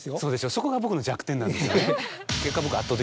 そこが僕の弱点なんですよね。